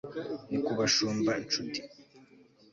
Ni kubashumba nshuti